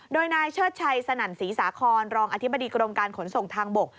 โดยนายเชิดชัยสนั่นศรีสาคอนรองอธิบดีกรมการขนส่งทางบก